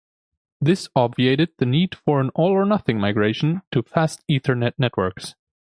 This obviated the need for an all-or-nothing migration to Fast Ethernet networks.